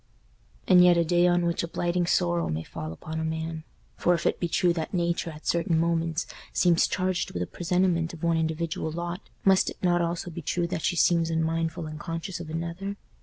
And yet a day on which a blighting sorrow may fall upon a man. For if it be true that Nature at certain moments seems charged with a presentiment of one individual lot must it not also be true that she seems unmindful, unconscious of another?